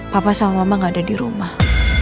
papa sama mama gak ada dirumah